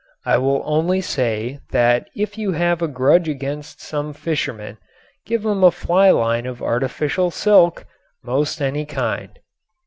I will only say that if you have a grudge against some fisherman give him a fly line of artificial silk, 'most any kind.